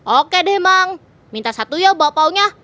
oke deh mang minta satu ya bapaunya